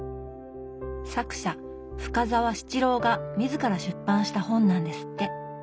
作者深沢七郎が自ら出版した本なんですって。